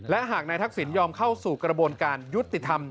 และหากนายทักษิณยอมเข้าสู่กระบวนการยุติธรรม